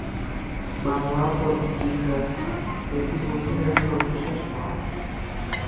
বাংলা পঞ্জিকায় এটি বছরের সর্বশেষ মাস।